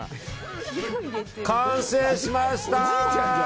完成しました。